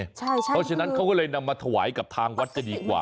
ใช่ใช่คือเพราะฉะนั้นเขาก็เลยนำมาถวายกับทางก็จะดีกว่า